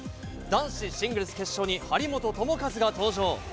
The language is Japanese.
男子シングルス決勝に、張本智和が登場。